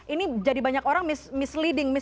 ini jadi banyak orang misleading